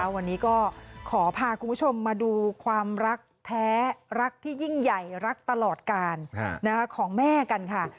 วันนี้ก็ขอพาคุณผู้ชมมาดูความรักแท้รักที่ยิ่งใหญ่รักตลอดการของแม่กันค่ะ